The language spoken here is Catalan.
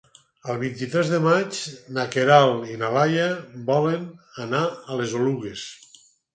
El vint-i-tres de maig na Queralt i na Laia volen anar a les Oluges.